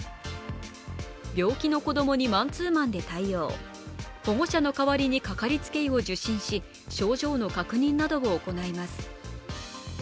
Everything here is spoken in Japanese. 病気の子供にマンツーマンで対応、保護者の代わりにかかりつけ医を受診し、症状の確認などを行います。